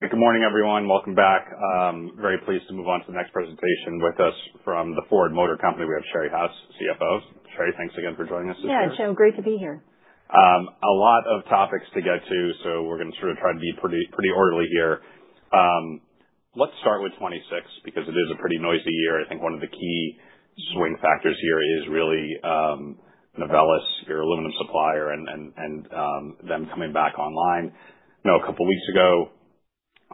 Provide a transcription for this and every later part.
Good morning, everyone. Welcome back. I'm very pleased to move on to the next presentation. With us from the Ford Motor Company, we have Sherry House, CFO. Sherry, thanks again for joining us this year. Yeah, Joseph, great to be here. A lot of topics to get to, so we're going to try to be pretty orderly here. Let's start with 2026, because it is a pretty noisy year. I think one of the key swing factors here is really Novelis, your aluminum supplier, and them coming back online. A couple of weeks ago,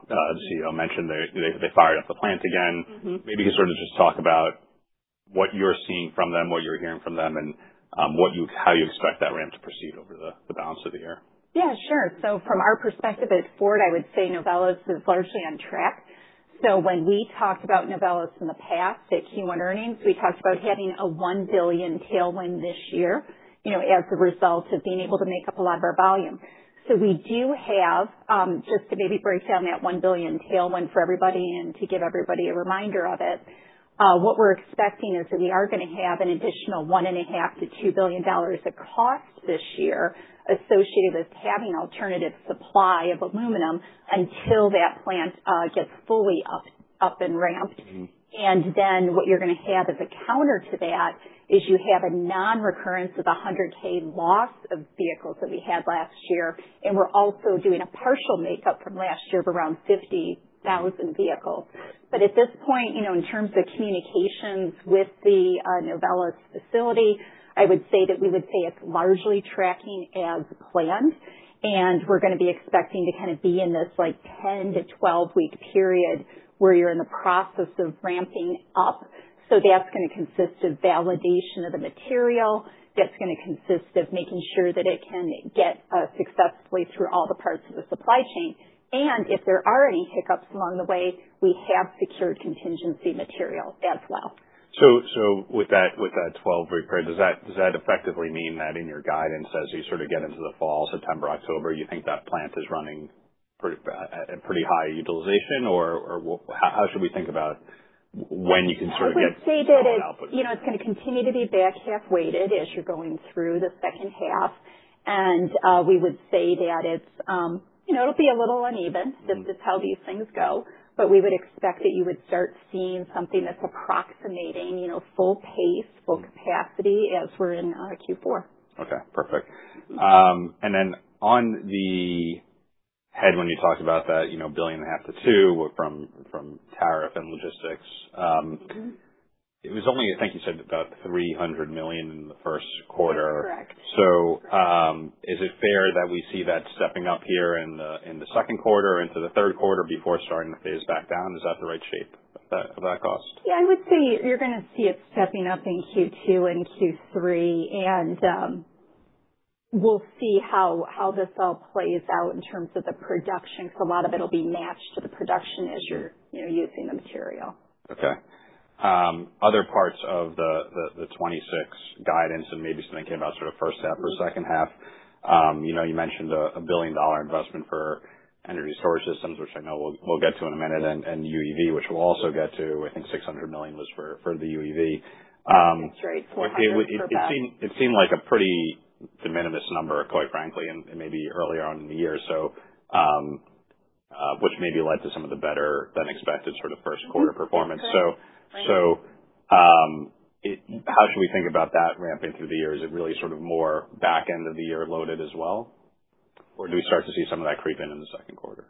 they mentioned they fired up the plant again. Maybe you can sort of just talk about what you're seeing from them, what you're hearing from them, and how you expect that ramp to proceed over the balance of the year. Yeah, sure. From our perspective at Ford, I would say Novelis is largely on track. When we talked about Novelis in the past at Q1 earnings, we talked about having a $1 billion tailwind this year as a result of being able to make up a lot of our volume. We do have, just to maybe break down that $1 billion tailwind for everybody and to give everybody a reminder of it, what we're expecting is that we are going to have an additional $1.5 billion-$2 billion of cost this year associated with having alternative supply of aluminum until that plant gets fully up and ramped. What you're going to have as a counter to that is you have a non-recurrence of 100,000 loss of vehicles that we had last year, and we're also doing a partial makeup from last year of around 50,000 vehicles. At this point, in terms of communications with the Novelis facility, I would say that we would say it's largely tracking as planned, and we're going to be expecting to kind of be in this 10-12 week period where you're in the process of ramping up. That's going to consist of validation of the material. That's going to consist of making sure that it can get successfully through all the parts of the supply chain. If there are any hiccups along the way, we have secured contingency material as well. With that 12-week period, does that effectively mean that in your guidance as you sort of get into the fall, September, October, you think that plant is running at pretty high utilization? Or how should we think about? I would say that it- Full output it's going to continue to be back half weighted as you're going through the second half. We would say that it'll be a little uneven. This is how these things go. We would expect that you would start seeing something that's approximating full pace, full capacity as we're in Q4. Okay, perfect. Then on the headwind, you talked about that $1.5 billion-$2 billion from tariff and logistics. It was only, I think you said about $300 million in the first quarter. That's correct. Is it fair that we see that stepping up here in the second quarter into the third quarter before starting to phase back down? Is that the right shape of that cost? Yeah, I would say you're going to see it stepping up in Q2 and Q3. We'll see how this all plays out in terms of the production, because a lot of it'll be matched to the production as you're using the material. Okay. Other parts of the 2026 guidance and maybe something about sort of first half or second half. You mentioned a billion-dollar investment for energy storage systems, which I know we'll get to in a minute, and UEV, which we'll also get to. I think $600 million was for the UEV. That's right, $400 for both. It seemed like a pretty de minimis number, quite frankly, and maybe earlier on in the year, which maybe led to some of the better than expected sort of first quarter performance. How should we think about that ramping through the year? Is it really sort of more back end of the year loaded as well? Or do we start to see some of that creep in in the second quarter?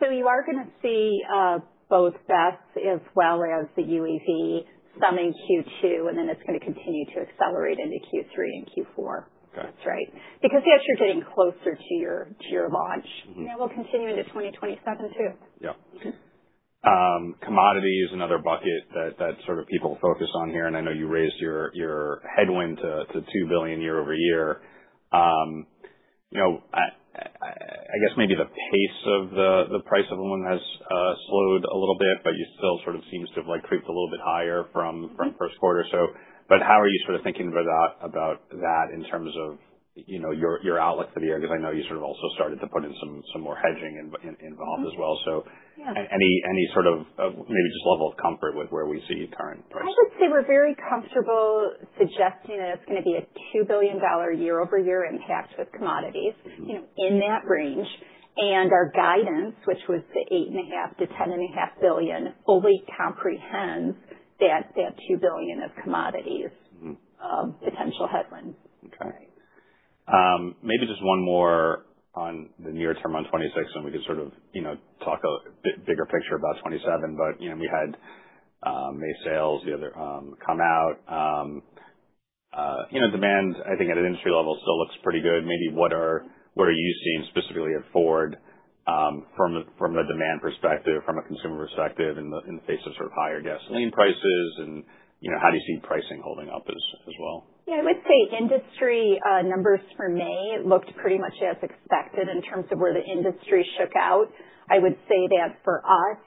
You are going to see both BESS as well as the UEV, some in Q2, and then it's going to continue to accelerate into Q3 and Q4. Okay. That's right. Because as you're getting closer to your launch. That will continue into 2027 too. Yeah. Commodity is another bucket that sort of people focus on here. I know you raised your headwind to $2 billion year-over-year. I guess maybe the pace of the price of aluminum has slowed a little bit, but you still sort of seems to have creeped a little bit higher from first quarter. How are you sort of thinking about that in terms of your outlook for the year? Because I know you sort of also started to put in some more hedging involved as well. Any sort of, maybe just level of comfort with where we see current pricing? I would say we're very comfortable suggesting that it's going to be a $2 billion year-over-year impact with commodities. In that range. Our guidance, which was the $8.5 billion-$10.5 billion, fully comprehends that $2 billion of commodities potential headwind. Okay. Maybe just one more on the near term on 2026, then we could sort of talk a bit bigger picture about 2027. We had May sales, the other come out. Demand, I think at an industry level still looks pretty good. Maybe what are you seeing specifically at Ford from the demand perspective, from a consumer perspective in the face of sort of higher gasoline prices, and how do you see pricing holding up as well? Yeah, I would say industry numbers for May looked pretty much as expected in terms of where the industry shook out. I would say that for us,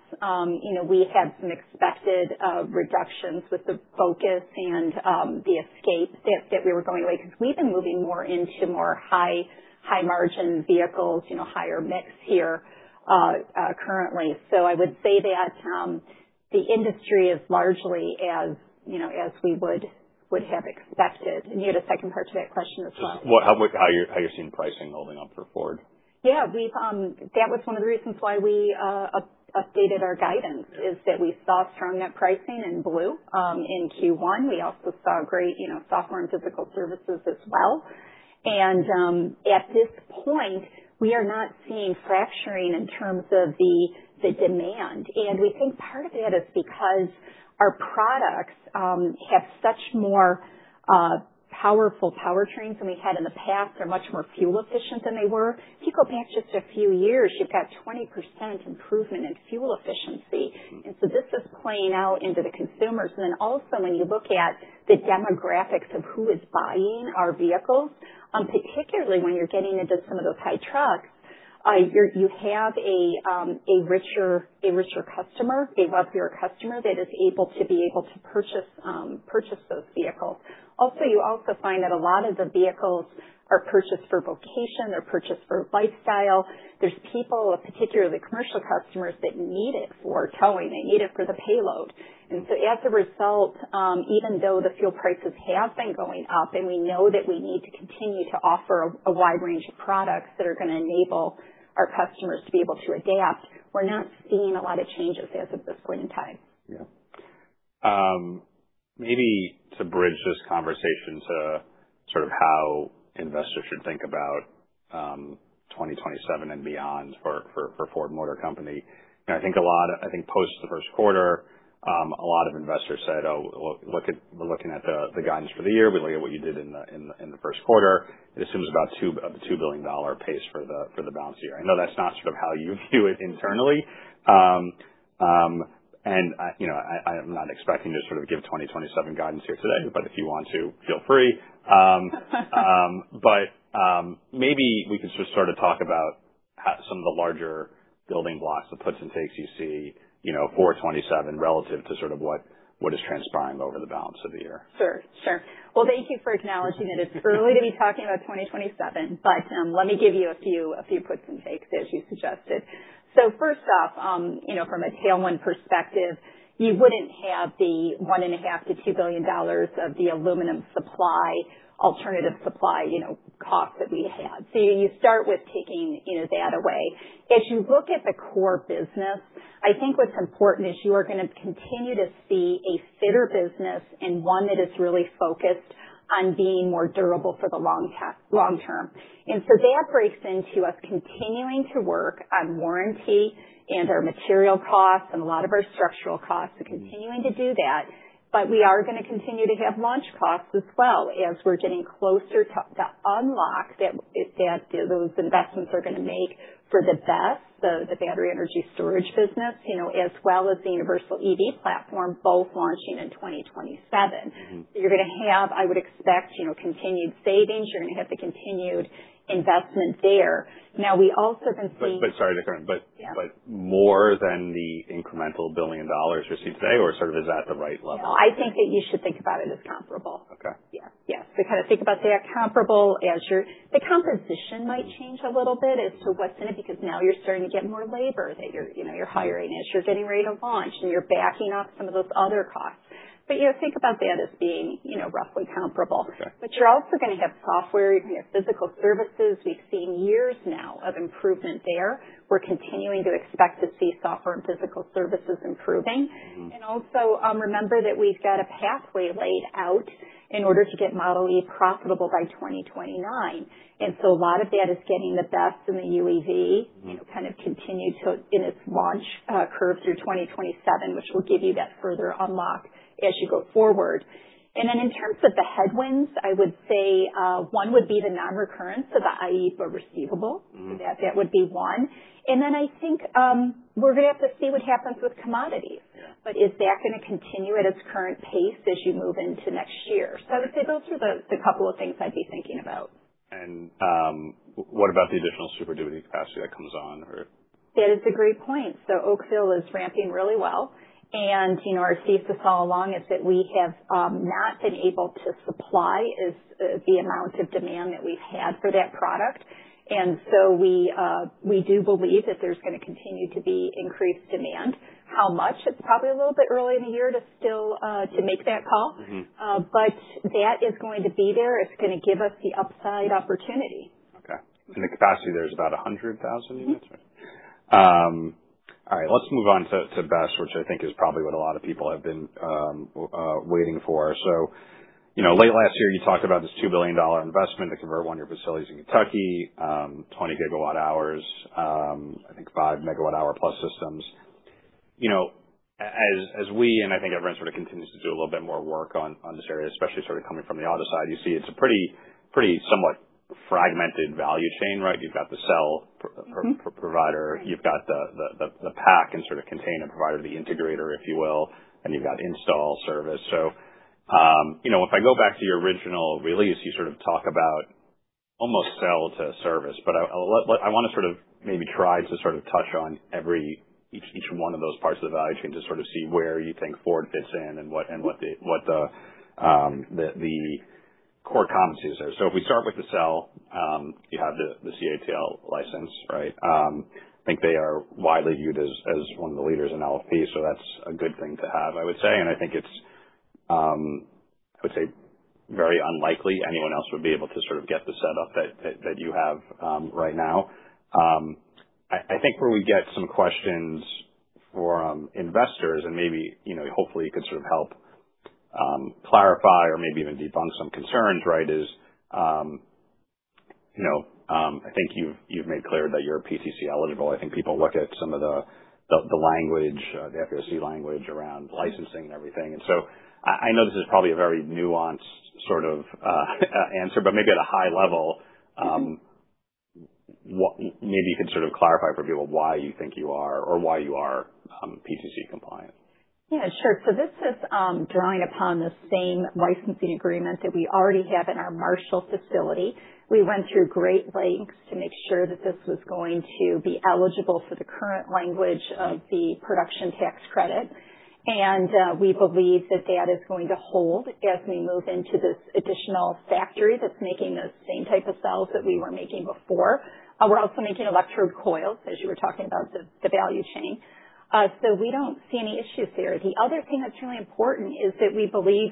we had some expected reductions with the Focus and the Escape that we were going away because we've been moving more into more high margin vehicles, higher mix here currently. I would say that the industry is largely as we would have expected. You had a second part to that question as well. Just how you're seeing pricing holding up for Ford. Yeah. That was one of the reasons why we updated our guidance, is that we saw strong net pricing in Ford Blue in Q1. We also saw great software and physical services as well. At this point, we are not seeing fracturing in terms of the demand. We think part of that is because our products have such more powerful powertrains than we had in the past. They're much more fuel efficient than they were. If you go back just a few years, you've got 20% improvement in fuel efficiency. This is playing out into the consumers. Also when you look at the demographics of who is buying our vehicles, particularly when you're getting into some of those high trucks, you have a richer customer, a wealthier customer that is able to be able to purchase those vehicles. You also find that a lot of the vehicles are purchased for vocation, they're purchased for lifestyle. There's people, particularly commercial customers, that need it for towing, they need it for the payload. As a result, even though the fuel prices have been going up, we know that we need to continue to offer a wide range of products that are going to enable our customers to be able to adapt, we're not seeing a lot of changes as of this point in time. Yeah. Maybe to bridge this conversation to how investors should think about 2027 and beyond for Ford Motor Company. I think post the first quarter, a lot of investors said, "Oh, we're looking at the guidance for the year. We look at what you did in the first quarter. It assumes about a $2 billion pace for the balance of the year." I know that's not how you view it internally. I am not expecting you to give 2027 guidance here today, but if you want to, feel free. Maybe we could just talk about some of the larger building blocks, the puts and takes you see for 2027 relative to what is transpiring over the balance of the year. Sure. Thank you for acknowledging that it's early to be talking about 2027, but let me give you a few puts and takes as you suggested. First off, from a tailwind perspective, you wouldn't have the $1.5 billion-$2 billion of the aluminum supply, alternative supply cost that we had. You start with taking that away. As you look at the core business, I think what's important is you are going to continue to see a fitter business, one that is really focused on being more durable for the long-term. That breaks into us continuing to work on warranty and our material costs and a lot of our structural costs, continuing to do that. We are going to continue to have launch costs as well as we're getting closer to the unlock that those investments are going to make for the BESS, so the Battery Energy Storage business, as well as the Universal EV platform, both launching in 2027. You're going to have, I would expect, continued savings. You're going to have the continued investment there. We also can see- Sorry to cut in. Yeah. More than the incremental $1 billion you're seeing today, or is that the right level? No, I think that you should think about it as comparable. Okay. Yeah. Kind of think about they are comparable. The composition might change a little bit as to what's in it because now you're starting to get more labor that you're hiring as you're getting ready to launch and you're backing off some of those other costs. Think about that as being roughly comparable. Okay. You're also going to have software, you're going to have physical services. We've seen years now of improvement there. We're continuing to expect to see software and physical services improving. Also, remember that we've got a pathway laid out in order to get Model e profitable by 2029. A lot of that is getting the BESS and the UEV- kind of continue in its launch curve through 2027, which will give you that further unlock as you go forward. In terms of the headwinds, I would say one would be the non-recurrence of the IE for receivable. That would be one. I think we're going to have to see what happens with commodities. Is that going to continue at its current pace as you move into next year? I would say those are the couple of things I'd be thinking about. What about the additional Super Duty capacity that comes on or? That is a great point. Oakville is ramping really well. Our thesis all along is that we have not been able to supply the amount of demand that we've had for that product. We do believe that there's going to continue to be increased demand. How much? It's probably a little bit early in the year to still make that call. That is going to be there. It's going to give us the upside opportunity. Okay. The capacity there is about 100,000 units, right? All right. Let's move on to BESS, which I think is probably what a lot of people have been waiting for. Late last year you talked about this $2 billion investment to convert one of your facilities in Kentucky, 20 GWh. I think 5 MWh plus systems. As we, and I think everyone sort of continues to do a little bit more work on this area, especially coming from the auto side, you see it's a pretty somewhat fragmented value chain, right? You've got the cell provider. You've got the pack and sort of container provider, the integrator, if you will, and you've got install service. If I go back to your original release, you talk about almost cell to service, but I want to maybe try to touch on each one of those parts of the value chain to see where you think Ford fits in and what the core competencies are. If we start with the cell, you have the CATL license, right? I think they are widely viewed as one of the leaders in LFP, so that's a good thing to have, I would say. I think it's very unlikely anyone else would be able to get the setup that you have right now. I think where we get some questions for investors and maybe hopefully you could help clarify or maybe even debunk some concerns, right? I think you've made clear that you're PTC eligible. I think people look at some of the language, the FEOC language, around licensing and everything. I know this is probably a very nuanced sort of answer, but maybe at a high level maybe you can sort of clarify for people why you think you are or why you are PTC compliant. Yeah. Sure. This is drawing upon the same licensing agreement that we already have in our Marshall facility. We went through great lengths to make sure that this was going to be eligible for the current language of the production tax credit, we believe that is going to hold as we move into this additional factory that's making the same type of cells that we were making before. We're also making electrode coils, as you were talking about, the value chain. We don't see any issues there. The other thing that's really important is that we believe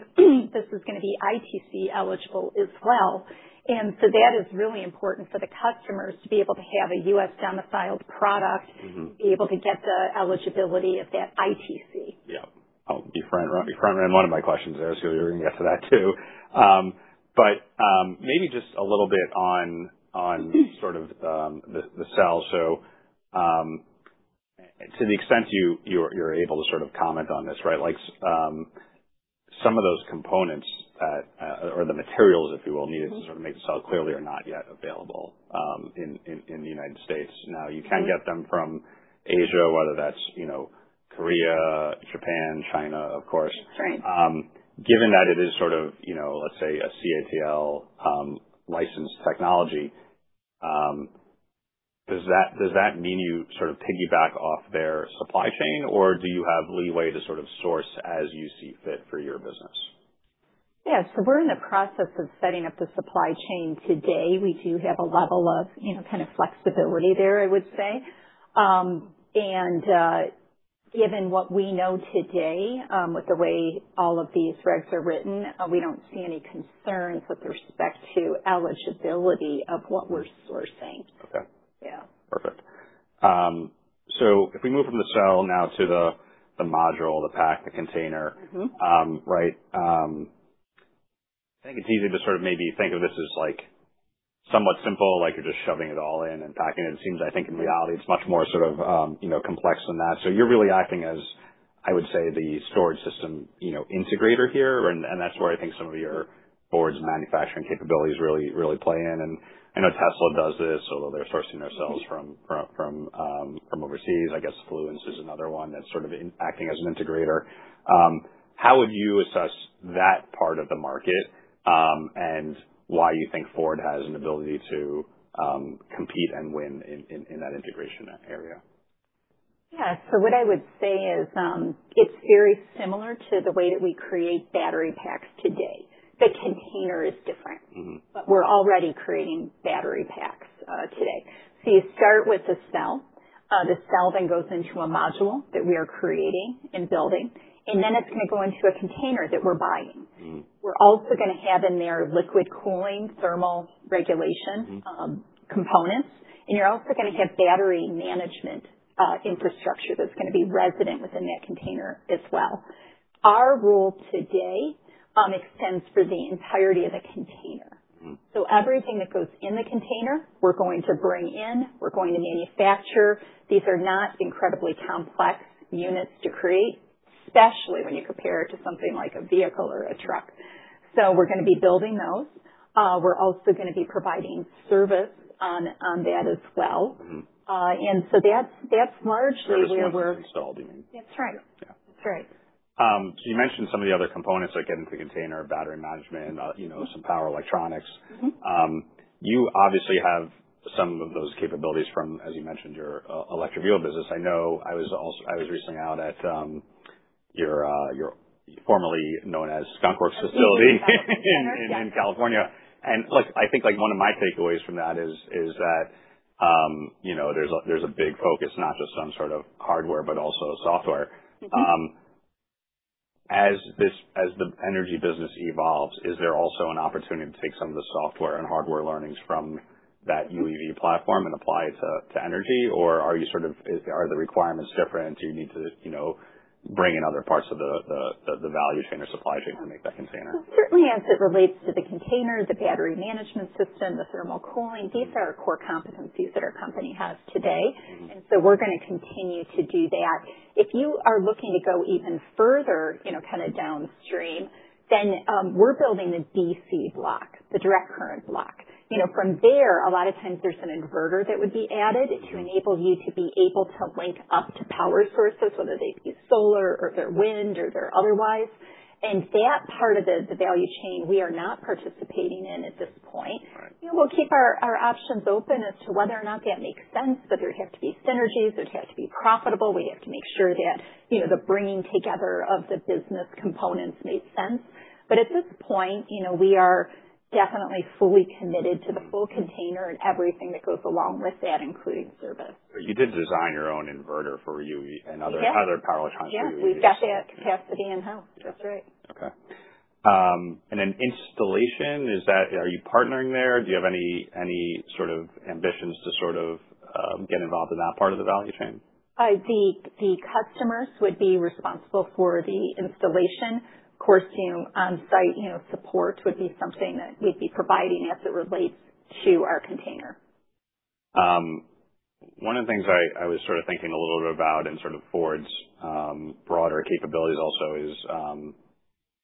this is going to be ITC eligible as well, that is really important for the customers to be able to have a U.S.-domiciled product be able to get the eligibility of that ITC. Yeah. I'll be upfront. One of my questions there. You're going to get to that, too. Maybe just a little bit on the cells. To the extent you're able to comment on this, some of those components, or the materials, if you will needed to make the cell clearly are not yet available in the United States. You can get them from Asia, whether that's Korea, Japan, China, of course. Given that it is let's say a CATL-licensed technology, does that mean you sort of piggyback off their supply chain, or do you have leeway to source as you see fit for your business? Yeah. We're in the process of setting up the supply chain today. We do have a level of flexibility there, I would say. Given what we know today, with the way all of these regs are written, we don't see any concerns with respect to eligibility of what we're sourcing. Okay. Yeah. Perfect. If we move from the cell now to the module, the pack, the container. I think it's easy to maybe think of this as somewhat simple, like you're just shoving it all in and packing it. It seems, I think in reality, it's much more complex than that. You're really acting as, I would say, the storage system integrator here, and that's where I think some of your Ford's manufacturing capabilities really play in. I know Tesla does this, although they're sourcing their cells from overseas. I guess Fluence is another one that's sort of acting as an integrator. How would you assess that part of the market, and why you think Ford has an ability to compete and win in that integration area? Yeah. What I would say is, it's very similar to the way that we create battery packs today. The container is different. We're already creating battery packs today. You start with the cell. The cell goes into a module that we are creating and building, it's going to go into a container that we're buying. We're also going to have in there liquid cooling, thermal regulation components, you're also going to have battery management system that's going to be resident within that container as well. Our role today extends for the entirety of the container. Everything that goes in the container, we're going to bring in, we're going to manufacture. These are not incredibly complex units to create, especially when you compare it to something like a vehicle or a truck. We're going to be building those. We're also going to be providing service on that as well. That's largely where. That is once it's installed, you mean? That's right. Yeah. That's right. You mentioned some of the other components, like getting to the container, battery management- some power electronics. You obviously have some of those capabilities from, as you mentioned, your electric vehicle business. I know I was recently out at your formerly known as Skunk Works facility in California. Look, I think one of my takeaways from that is that there's a big focus not just on hardware, but also software. As the energy business evolves, is there also an opportunity to take some of the software and hardware learnings from that UEV platform and apply it to energy, or are the requirements different? Do you need to bring in other parts of the value chain or supply chain to make that container? Certainly as it relates to the container, the battery management system, the thermal cooling. These are our core competencies that our company has today. We're going to continue to do that. If you are looking to go even further downstream, we're building the DC block, the direct current block. From there, a lot of times there's an inverter that would be added to enable you to be able to link up to power sources, whether they be solar or if they're wind or they're otherwise. That part of the value chain we are not participating in at this point. We'll keep our options open as to whether or not that makes sense, there have to be synergies. It has to be profitable. We have to make sure that the bringing together of the business components made sense. At this point, we are definitely fully committed to the full container and everything that goes along with that, including service. You did design your own inverter for UE- other power electronics. Yeah. We've got that capacity in-house. That's right. Okay. Installation, are you partnering there? Do you have any ambitions to get involved in that part of the value chain? The customers would be responsible for the installation. Of course, on-site support would be something that we'd be providing as it relates to our container. One of the things I was sort of thinking a little bit about in sort of Ford's broader capabilities also is,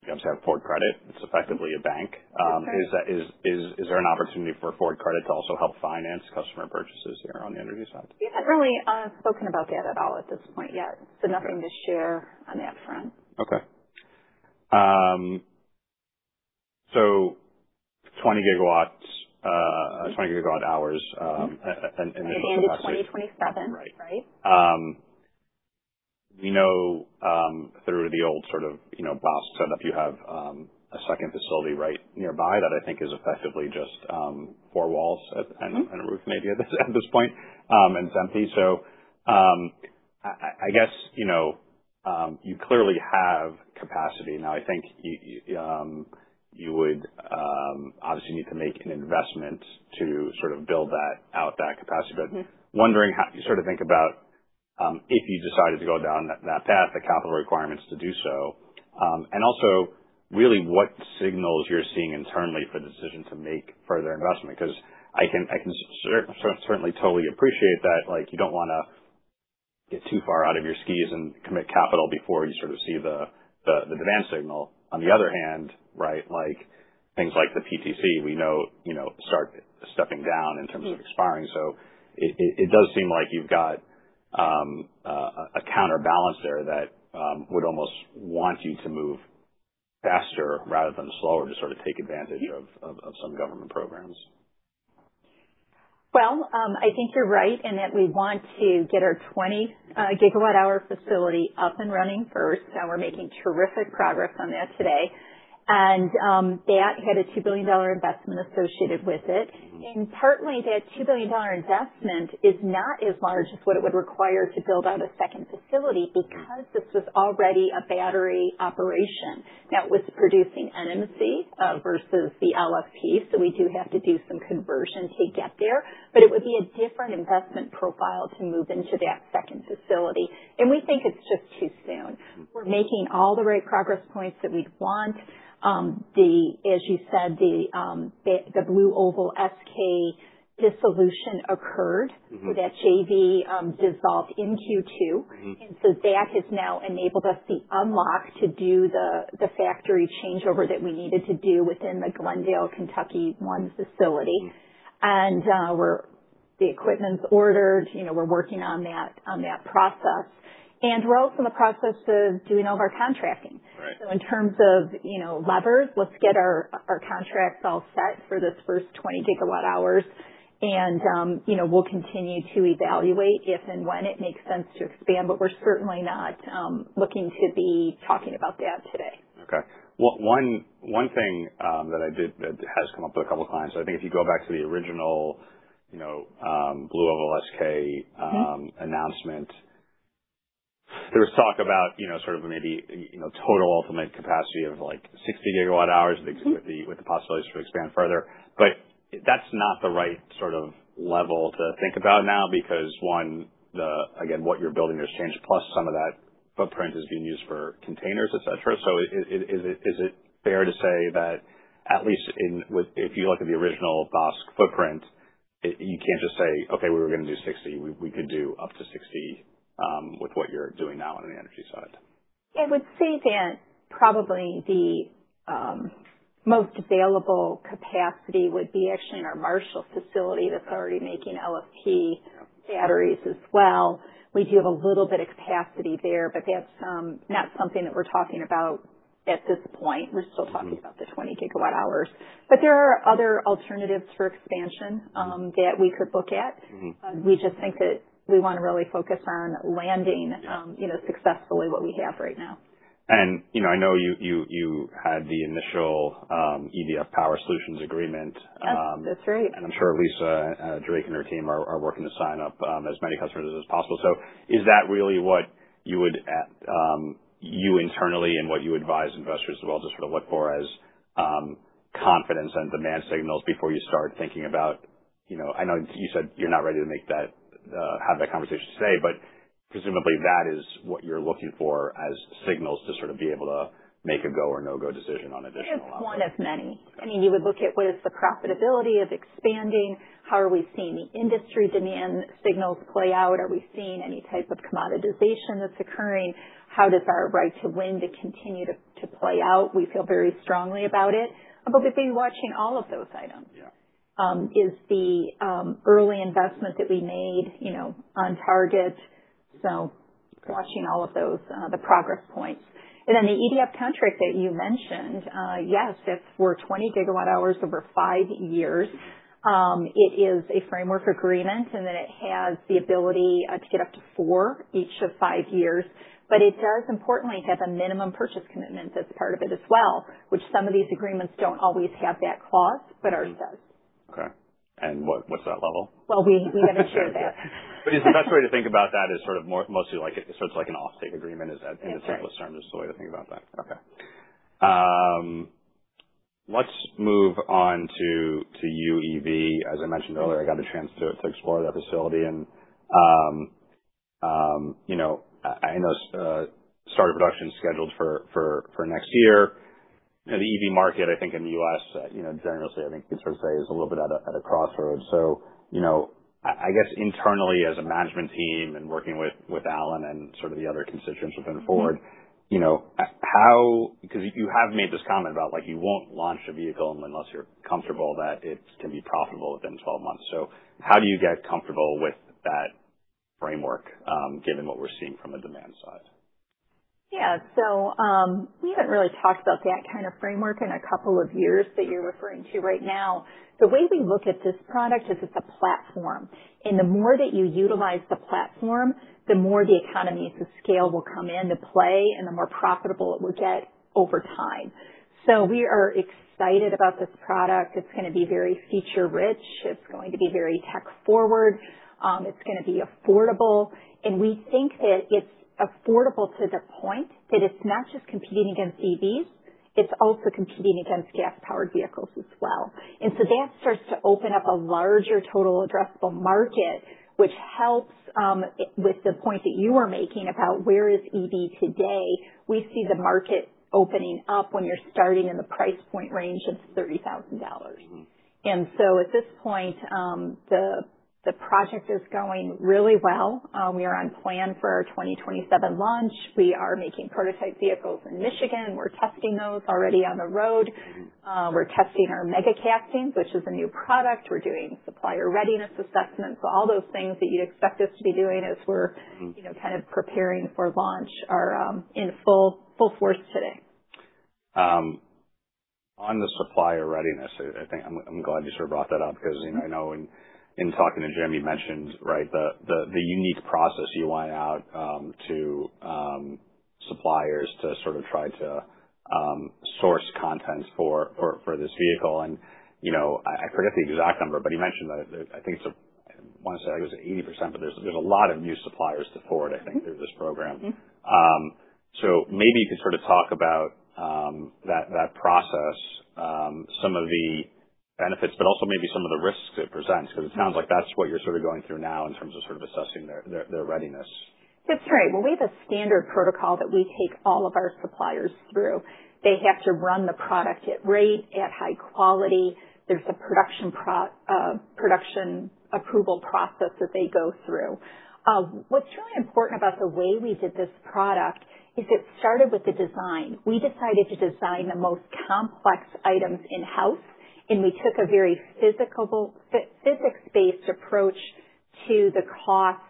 you obviously have Ford Credit. It's effectively a bank. That's right. Is there an opportunity for Ford Credit to also help finance customer purchases there on the energy side? We haven't really spoken about that at all at this point yet. Nothing to share on that front. Okay. 20 GWh initial capacity. At the end of 2027, right? We know through the old sort of BlueOval SK setup, you have a second facility right nearby that I think is effectively just four walls and a roof maybe at this point, and it's empty. I guess you clearly have capacity now. I think you would obviously need to make an investment to sort of build that out, that capacity. Wondering how you sort of think about, if you decided to go down that path, the capital requirements to do so. Also, really what signals you're seeing internally for the decision to make further investment. I can certainly totally appreciate that you don't want to get too far out of your skis and commit capital before you sort of see the demand signal. On the other hand, right, things like the PTC, we know start stepping down in terms of expiring. It does seem like you've got a counterbalance there that would almost want you to move faster rather than slower to sort of take advantage of some government programs. I think you're right in that we want to get our 20 GWh facility up and running first. We're making terrific progress on that today. That had a $2 billion investment associated with it. Partly, that $2 billion investment is not as large as what it would require to build out a second facility, because this was already a battery operation that was producing NMC versus the LFP. We do have to do some conversion to get there, but it would be a different investment profile to move into that second facility. We think it's just too soon. We're making all the right progress points that we'd want. As you said, the BlueOval SK dissolution occurred. That JV dissolved in Q2. That has now enabled us the unlock to do the factory changeover that we needed to do within the Glendale Kentucky one facility. The equipment's ordered. We're working on that process. We're also in the process of doing all of our contracting. In terms of levers, let's get our contracts all set for this first 20 GWh and we'll continue to evaluate if and when it makes sense to expand. We're certainly not looking to be talking about that today. One thing that has come up a couple times. I think if you go back to the original BlueOval SK announcement, there was talk about sort of maybe total ultimate capacity of 60 GWh with the possibilities to expand further. That's not the right sort of level to think about now because, one, again, what you're building has changed, plus some of that footprint is being used for containers, et cetera. Is it fair to say that at least if you look at the original BlueOval SK footprint, you can't just say, "Okay, we were going to do 60. We could do up to 60" with what you're doing now on the energy side? I would say that probably the most available capacity would be actually in our Marshall facility that's already making LFP batteries as well. We do have a little bit of capacity there, that's not something that we're talking about at this point. We're still talking about the 20 GWh. There are other alternatives for expansion that we could look at. We just think that we want to really focus on landing successfully what we have right now. I know you had the initial EDF Power Solutions agreement. Yes, that's right. I'm sure Lisa Drake and her team are working to sign up as many customers as possible. Is that really what you internally and what you advise investors as well, just sort of look for as confidence and demand signals before you start thinking about I know you said you're not ready to have that conversation today, but presumably that is what you're looking for as signals to sort of be able to make a go or no-go decision on additional output. It's one of many. You would look at what is the profitability of expanding? How are we seeing the industry demand signals play out? Are we seeing any type of commoditization that's occurring? How does our right to win to continue to play out? We feel very strongly about it. We'd be watching all of those items. Is the early investment that we made on target? Watching all of those, the progress points. The EDF contract that you mentioned, yes, that's for 20 GWh over five years. It is a framework agreement in that it has the ability to get up to four each of five years. It does importantly have a minimum purchase commitment that's a part of it as well, which some of these agreements don't always have that clause, but ours does. Okay. What's that level? Well, we haven't shared that. Is the best way to think about that is sort of mostly like an off-take agreement in simplest terms. That's right. Is the way to think about that? Okay. Let's move on to UEV. As I mentioned earlier, I got a chance to explore that facility and I know start of production is scheduled for next year. The EV market, I think, in the U.S., generally, I think you'd sort of say is a little bit at a crossroads. I guess internally as a management team and working with Alan and sort of the other constituents within Ford, because you have made this comment about you won't launch a vehicle unless you're comfortable that it can be profitable within 12 months. How do you get comfortable with that framework, given what we're seeing from the demand side? Yeah. We haven't really talked about that kind of framework in a couple of years that you're referring to right now. The way we look at this product is it's a platform, and the more that you utilize the platform, the more the economies of scale will come into play and the more profitable it will get over time. We are excited about this product. It's going to be very feature-rich. It's going to be very tech forward. It's going to be affordable. We think that it's affordable to the point that it's not just competing against EVs, it's also competing against gas-powered vehicles as well. That starts to open up a larger total addressable market, which helps, with the point that you were making about where is EV today. We see the market opening up when you're starting in the price point range of $30,000. At this point, the project is going really well. We are on plan for our 2027 launch. We are making prototype vehicles in Michigan. We're testing those already on the road. We're testing our mega casting, which is a new product. We're doing supplier readiness assessments. All those things that you'd expect us to be doing as we're- kind of preparing for launch are in full force today. On the supplier readiness, I think I'm glad you sort of brought that up because I know in talking to Jim, you mentioned, right, the unique process you went out to suppliers to sort of try to source content for this vehicle. I forget the exact number, but he mentioned that I think, I want to say it was 80%, but there's a lot of new suppliers to Ford, I think through this program. Maybe you could sort of talk about that process, some of the benefits, but also maybe some of the risks it presents, because it sounds like that's what you're sort of going through now in terms of sort of assessing their readiness. That's right. Well, we have a standard protocol that we take all of our suppliers through. They have to run the product at rate, at high quality. There's a production approval process that they go through. What's really important about the way we did this product is it started with the design. We decided to design the most complex items in-house, and we took a very physics-based approach to the cost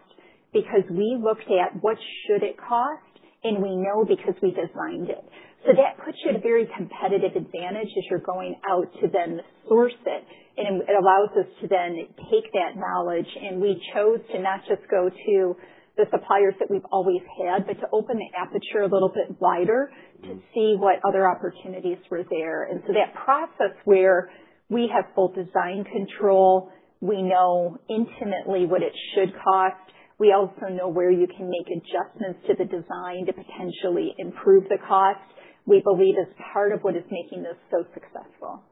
because we looked at what should it cost, and we know because we designed it. That puts you at a very competitive advantage as you're going out to then source it. It allows us to then take that knowledge, and we chose to not just go to the suppliers that we've always had, but to open the aperture a little bit wider- to see what other opportunities were there. That process where we have full design control, we know intimately what it should cost. We also know where you can make adjustments to the design to potentially improve the cost, we believe is part of what is making this so successful.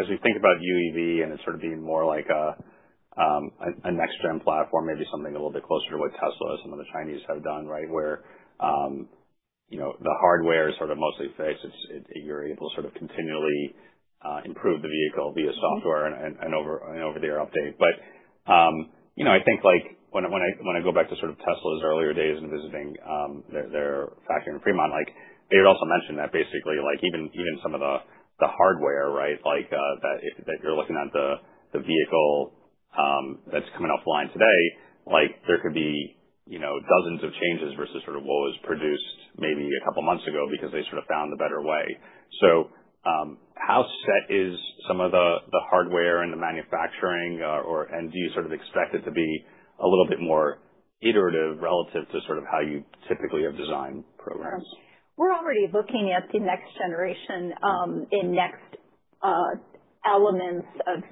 As we think about UEV and it sort of being more like a next-gen platform, maybe something a little bit closer to what Tesla or some of the Chinese have done, right? Where the hardware is sort of mostly fixed. You're able to sort of continually improve the vehicle via software- Over-the-air update. I think when I go back to sort of Tesla's earlier days and visiting their factory in Fremont, they would also mention that basically, even some of the hardware, right, that you're looking at the vehicle that's coming off the line today, there could be dozens of changes versus what was produced maybe a couple of months ago because they sort of found a better way. How set is some of the hardware and the manufacturing, and do you sort of expect it to be a little bit more iterative relative to sort of how you typically have designed programs? We're already looking at the next generation, in next elements of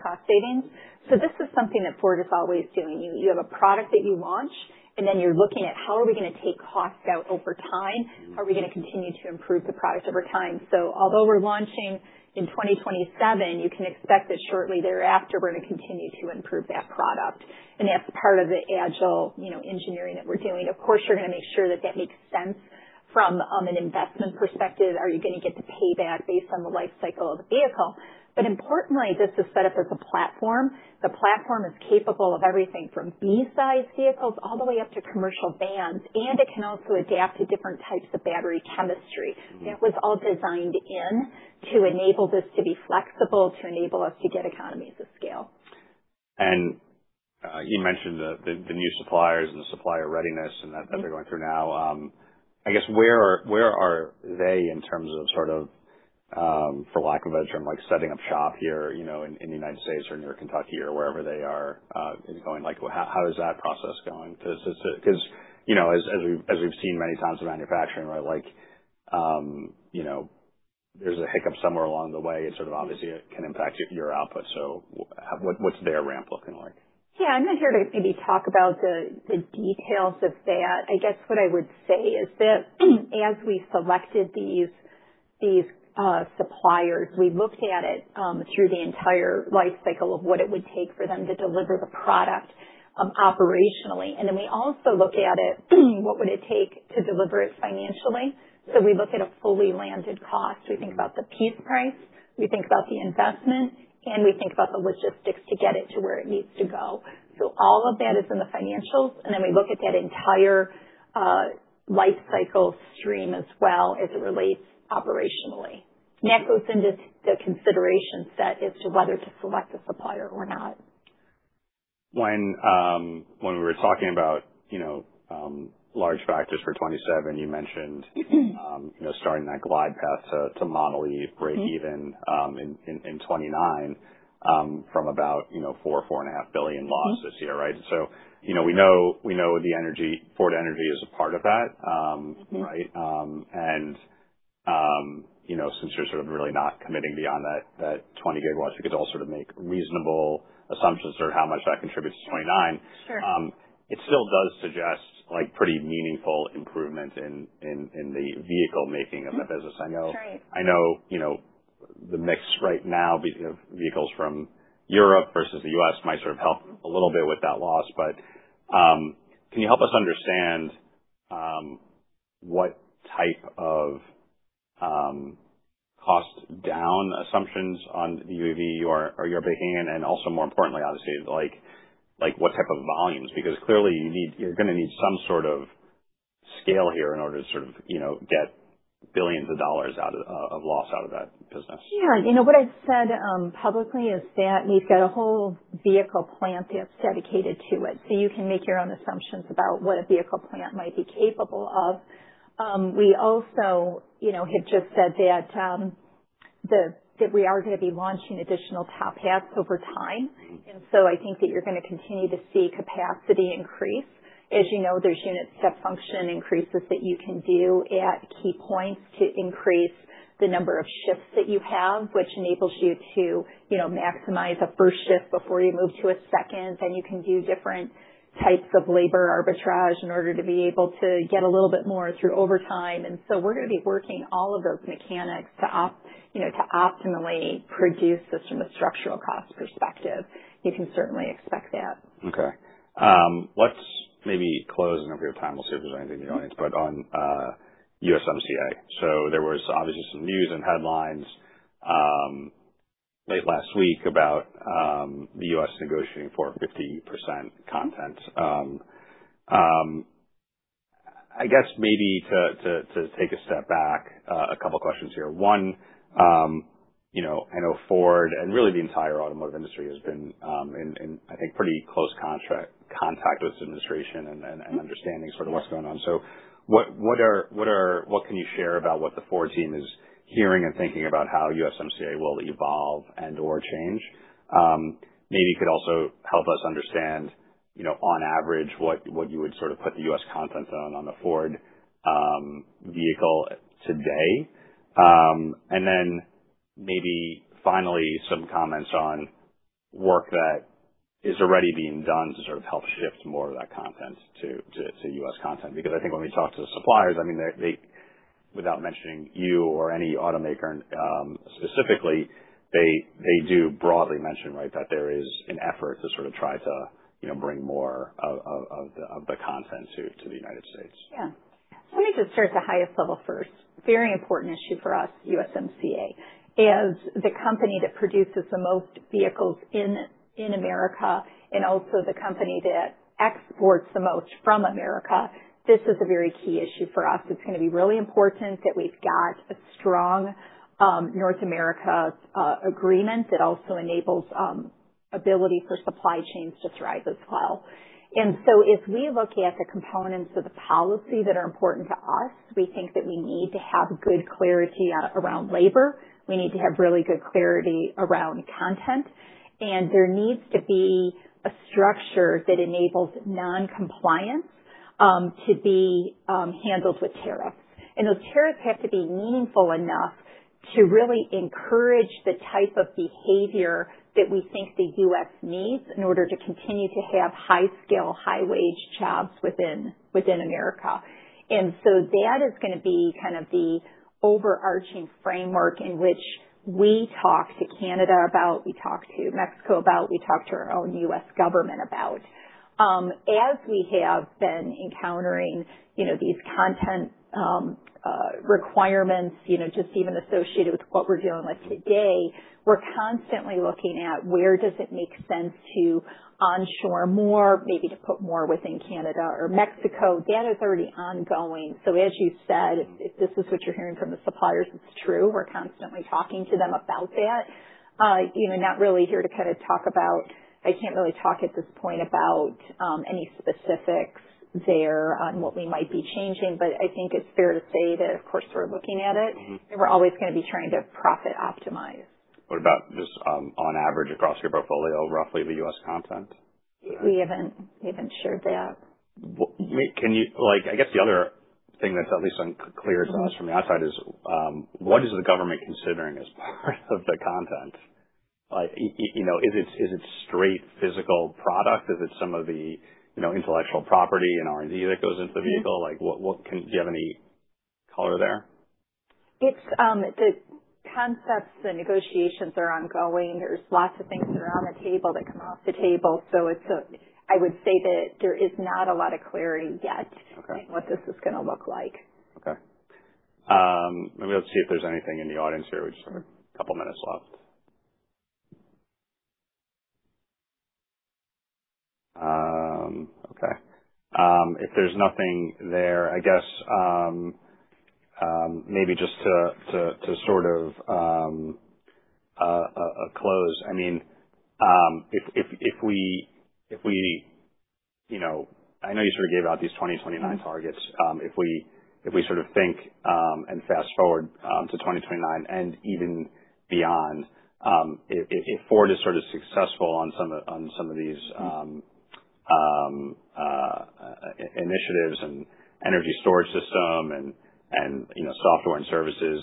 cost savings. This is something that Ford is always doing. You have a product that you launch, and then you're looking at how are we going to take costs out over time? How are we going to continue to improve the product over time? Although we're launching in 2027, you can expect that shortly thereafter, we're going to continue to improve that product. That's part of the agile engineering that we're doing. Of course, you're going to make sure that that makes sense from an investment perspective. Are you going to get the payback based on the life cycle of the vehicle? Importantly, this is set up as a platform. The platform is capable of everything from B size vehicles all the way up to commercial vans, and it can also adapt to different types of battery chemistry. That was all designed in to enable this to be flexible, to enable us to get economies of scale. You mentioned the new suppliers and the supplier readiness and that they're going through now. I guess, where are they in terms of sort of, for lack of a better term, like setting up shop here in the U.S. or near Kentucky or wherever they are? How is that process going? Because as we've seen many times in manufacturing, right, like, there's a hiccup somewhere along the way. Sort of obviously it can impact your output. What's their ramp looking like? Yeah, I'm not here to maybe talk about the details of that. I guess what I would say is that as we selected these suppliers, we looked at it through the entire life cycle of what it would take for them to deliver the product operationally. Then we also look at it, what would it take to deliver it financially. We look at a fully landed cost. We think about the piece price, we think about the investment, and we think about the logistics to get it to where it needs to go. All of that is in the financials, then we look at that entire life cycle stream as well as it relates operationally. That goes into the consideration set as to whether to select a supplier or not. When we were talking about large factors for 2027, you mentioned starting that glide path to model breakeven in 2029 from about $4 billion-$4.5 billion loss this year, right? We know Ford Energy is a part of that. Right? Since you're sort of really not committing beyond that 20 GW, we could also sort of make reasonable assumptions toward how much that contributes to 2029. It still does suggest pretty meaningful improvement in the vehicle making of the business. I know the mix right now of vehicles from Europe versus the U.S. might sort of help a little bit with that loss. Can you help us understand what type of cost down assumptions on UEV you're baking in? Also more importantly, obviously, what type of volumes, because clearly you're going to need some sort of scale here in order to sort of get billions of dollars of loss out of that business. What I've said publicly is that we've got a whole vehicle plant that's dedicated to it. You can make your own assumptions about what a vehicle plant might be capable of. We also have just said that we are going to be launching additional top hats over time. I think that you're going to continue to see capacity increase. As you know, there's unit step function increases that you can do at key points to increase the number of shifts that you have, which enables you to maximize a first shift before you move to a second. You can do different types of labor arbitrage in order to be able to get a little bit more through overtime. We're going to be working all of those mechanics to optimally produce this from a structural cost perspective. You can certainly expect that. Let's maybe close. If we have time, we'll see if there's anything in the audience. On USMCA. There was obviously some news and headlines late last week about the U.S. negotiating for a 50% content. I guess maybe to take a step back, a couple questions here. One, I know Ford and really the entire automotive industry has been in, I think, pretty close contact with this administration and understanding sort of what's going on. What can you share about what the Ford team is hearing and thinking about how USMCA will evolve and/or change? Maybe you could also help us understand, on average, what you would sort of put the U.S. content on the Ford vehicle today. Maybe finally, some comments on work that is already being done to sort of help shift more of that content to U.S. content. I think when we talk to the suppliers, without mentioning you or any automaker specifically, they do broadly mention that there is an effort to sort of try to bring more of the content to the United States. Let me just start at the highest level first. Very important issue for us, USMCA. As the company that produces the most vehicles in America and also the company that exports the most from America, this is a very key issue for us. It's going to be really important that we've got a strong North America agreement that also enables ability for supply chains to thrive as well. If we look at the components of the policy that are important to us, we think that we need to have good clarity around labor. We need to have really good clarity around content, and there needs to be a structure that enables non-compliance to be handled with tariffs. Those tariffs have to be meaningful enough to really encourage the type of behavior that we think the U.S. needs in order to continue to have high-skill, high-wage jobs within America. That is going to be kind of the overarching framework in which we talk to Canada about, we talk to Mexico about, we talk to our own U.S. government about. As we have been encountering these content requirements, just even associated with what we're dealing with today, we're constantly looking at where does it make sense to onshore more, maybe to put more within Canada or Mexico. That is already ongoing. As you said, if this is what you're hearing from the suppliers, it's true. We're constantly talking to them about that. I can't really talk at this point about any specifics there on what we might be changing, I think it's fair to say that, of course, we're looking at it. We're always going to be trying to profit optimize. What about just on average, across your portfolio, roughly the U.S. content? We haven't shared that. I guess the other thing that's at least unclear to us from the outside is, what is the government considering as part of the content? Is it straight physical product? Is it some of the intellectual property and R&D that goes into the vehicle? Do you have any color there? The concepts, the negotiations are ongoing. There's lots of things that are on the table that come off the table. I would say that there's not a lot of clarity yet. In what this is going to look like. Okay. Maybe I'll see if there's anything in the audience here. We just have a couple minutes left. Okay. If there's nothing there, I guess, maybe just to sort of close. I know you sort of gave out these 2029 targets. If we think and fast-forward to 2029 and even beyond, if Ford is successful on some of these initiatives and energy storage system and software and services,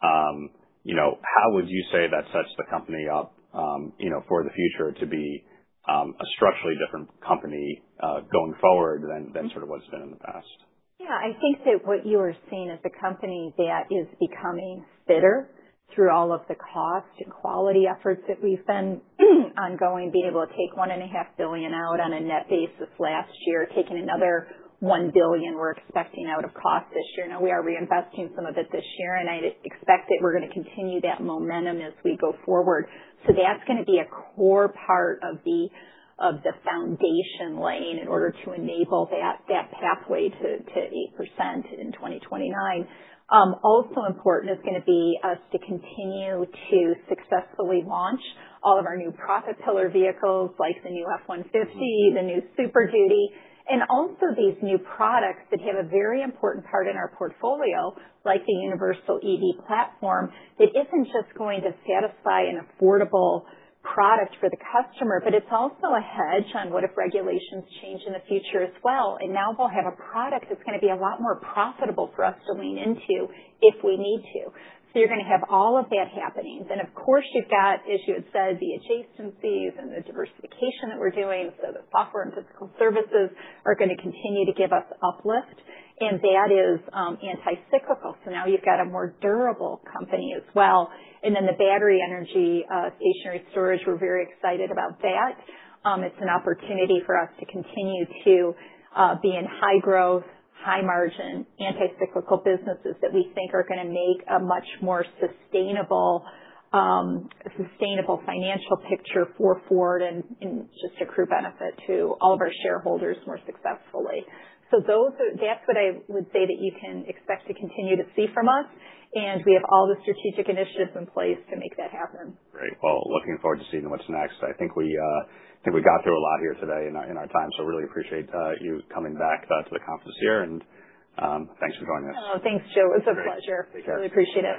how would you say that sets the company up for the future to be a structurally different company going forward than what it's been in the past? Yeah, I think that what you are seeing is a company that is becoming fitter through all of the cost and quality efforts that we've been ongoing. Being able to take $1.5 billion out on a net basis last year, taking another $1 billion we're expecting out of cost this year. Now we are reinvesting some of it this year, and I expect that we're going to continue that momentum as we go forward. That's going to be a core part of the foundation laying in order to enable that pathway to 8% in 2029. Also important is going to be us to continue to successfully launch all of our new profit pillar vehicles, like the new F-150, the new Super Duty, and also these new products that have a very important part in our portfolio, like the Universal EV platform, that isn't just going to satisfy an affordable product for the customer, but it's also a hedge on what if regulations change in the future as well. Now we'll have a product that's going to be a lot more profitable for us to lean into if we need to. You're going to have all of that happening. Of course, you've got, as you had said, the adjacencies and the diversification that we're doing. The software and physical services are going to continue to give us uplift, and that is anti-cyclical. Now you've got a more durable company as well. The Battery Energy Stationary Storage, we're very excited about that. It's an opportunity for us to continue to be in high growth, high margin, anti-cyclical businesses that we think are going to make a much more sustainable financial picture for Ford and just accrue benefit to all of our shareholders more successfully. That's what I would say that you can expect to continue to see from us, and we have all the strategic initiatives in place to make that happen. Great. Well, looking forward to seeing what's next. I think we got through a lot here today in our time. Really appreciate you coming back to the conference here and thanks for joining us. Oh, thanks, Joe. It was a pleasure. Great. Take care. Really appreciate it.